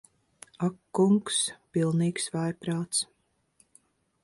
Ak kungs. Pilnīgs vājprāts.